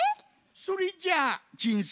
それじゃあちんす